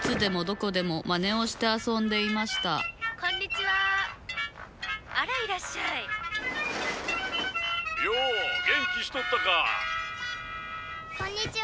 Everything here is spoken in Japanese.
「こんにちは」